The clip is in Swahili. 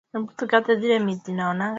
muziki kupatana na nafahamu